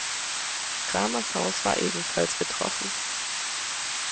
Cramers Haus war ebenfalls betroffen.